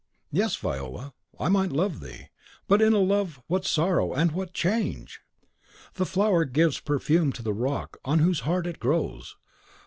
"Yes, Viola, I might love thee; but in that love what sorrow and what change! The flower gives perfume to the rock on whose heart it grows.